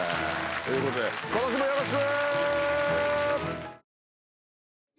ということで今年もよろしく！